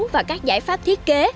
và các giải pháp thiết kế